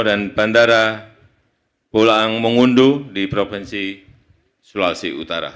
dan bandara bulang mungundu di provinsi sulawesi utara